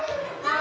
あ。